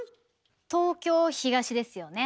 東京「東」ですよね。